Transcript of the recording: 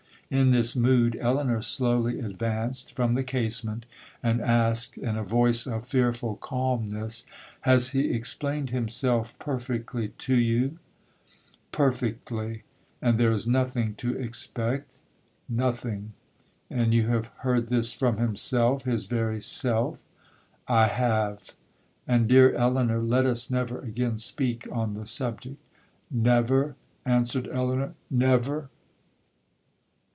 In this mood, Elinor slowly advanced from the casement, and asked in a voice of fearful calmness, 'Has he explained himself perfectly to you?'—'Perfectly.'—'And there is nothing to expect?'—'Nothing.'—'And you have heard this from himself—his very self?'—'I have; and, dear Elinor, let us never again speak on the subject.'—'Never!' answered Elinor,—'Never!'